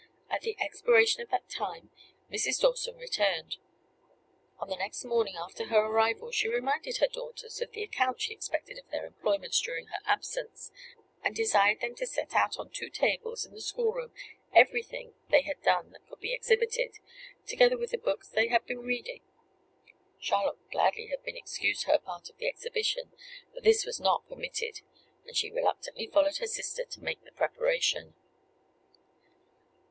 At the expiration of that time Mrs. Dawson returned. On the next morning after her arrival she reminded her daughters of the account she expected of their employments during her absence, and desired them to set out on two tables in the schoolroom everything they had done that could be exhibited, together with the books they had been reading. Charlotte would gladly have been excused her part of the exhibition; but this was not permitted; and she reluctantly followed her sister to make the preparation.